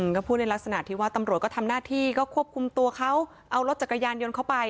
ก็พูดในลักษณะที่ว่าตำรวจก็ทำหน้าที่ก็ควบคุมตัวเขาเอารถจักรยานยนต์เข้าไป